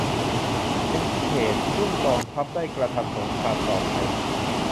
เป็นเขตต์ซึ่งกองทัพได้กระทำสงครามต่อไป